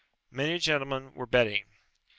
Many gentlemen were betting.